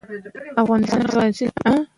افغان غازي د خپل غیرت په وسیله مقاومت کوي.